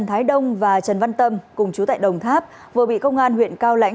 thái đông và trần văn tâm cùng chú tại đồng tháp vừa bị công an huyện cao lãnh